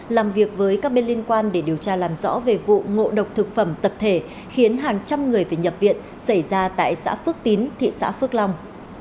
làm việc với các bên liên quan để điều tra làm rõ về vụ ngộ độc thực phẩm tập thể khiến hàng trăm người phải nhập viện xảy ra tại xã phước tín thị xã phước long